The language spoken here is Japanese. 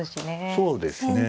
そうですね。